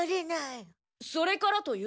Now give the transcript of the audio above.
それからというもの